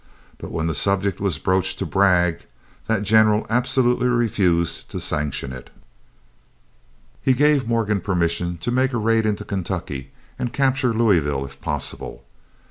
But when the subject was broached to Bragg, that general absolutely refused to sanction it. He gave Morgan permission to make a raid into Kentucky and capture Louisville if possible.